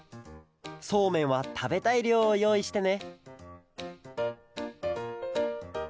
そうめんはたべたいりょうをよういしてね